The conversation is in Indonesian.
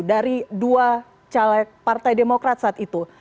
dari dua caleg partai demokrat saat itu